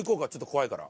怖いから。